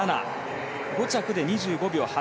５着で２５秒８９。